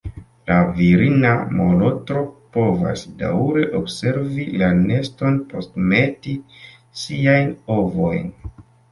La virina molotro povas daŭre observi la neston post meti ŝiajn ovojn.